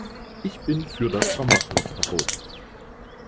Ich bin für das Vermarktungsverbot.